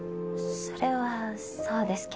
それはそうですけど。